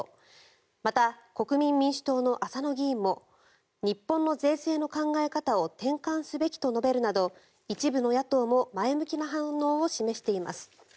また、国民民主党の浅野議員も日本の税制の考え方を転換すべきと述べるなど一部の野党も前向きな反応を示しています。